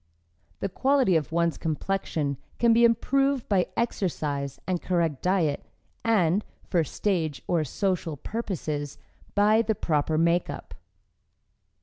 The quality of one's complexion can be improved by exercise and correct diet, and, for stage or social purposes, by the proper makeup.